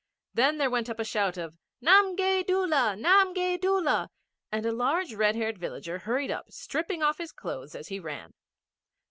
Then there went up a shout of 'Namgay Doola! Namgay Doola!' and a large red haired villager hurried up, stripping off his clothes as he ran.